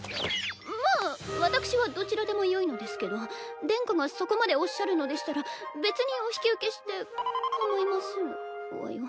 まあ私はどちらでもよいのですけど殿下がそこまでおっしゃるのでしたら別にお引き受けしてかまいませんわよ。